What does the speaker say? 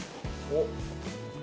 おっ！